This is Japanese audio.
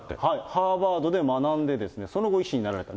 ハーバードで学んで、その後、医師になられた。